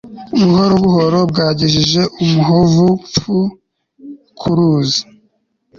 buhoro buhoro bwagejeje umuhovu (pfu) ku ruzi